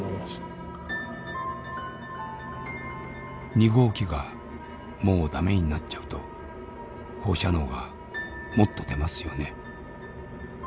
「２号機がもうダメになっちゃうと放射能がもっと出ますよね。